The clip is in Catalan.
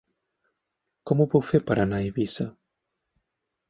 Com ho puc fer per anar a Eivissa?